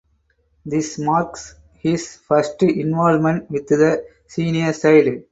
This marks his first involvement with the senior side.